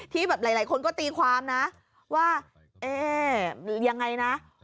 ที่แบบหลายคนก็ตีความนะว่าเอ๊ยังไงนะ